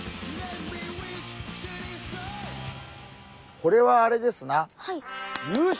これはあれですな優勝！